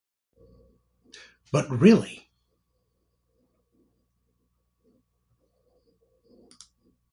But really?